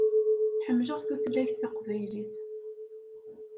Ḥemmleɣ tutlayt taqbaylit.